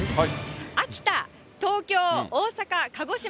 秋田、東京、大阪、鹿児島。